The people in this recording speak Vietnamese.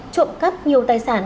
trộm cắp nhiều tài sản